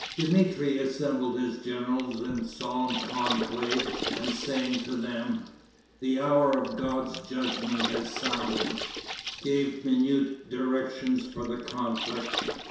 Dmitri assembled his generals in solemn conclave, and saying to them, "The hour of God's judgment has sounded," gave minute directions for the conflict.